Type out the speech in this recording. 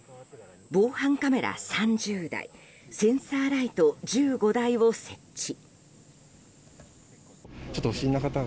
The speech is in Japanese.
防犯カメラ３０台センサーライト１５台を設置。